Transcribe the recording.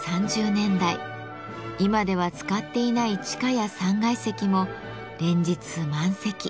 今では使っていない地下や３階席も連日満席。